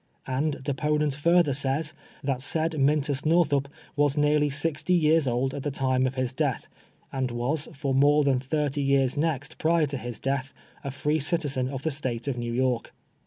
And deponent further says, that said Min tiis Northup was nearly sixty years old at the time of his death, and was, f()r more than thirty years next prior to his death, a free citizen of the State of New York.